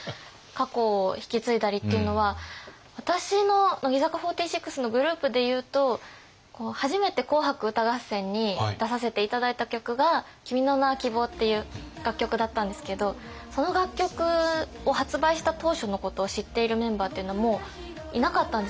過去を引き継いだりっていうのは私の乃木坂４６のグループでいうと初めて「紅白歌合戦」に出させて頂いた曲が「君の名は希望」っていう楽曲だったんですけどその楽曲を発売した当初のことを知っているメンバーっていうのはもういなかったんですよ。